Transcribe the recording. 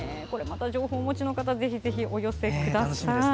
情報をお持ちの方はぜひぜひお寄せください。